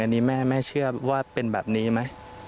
อันนี้แม่เชื่อว่าเป็นแบบนี้ไหม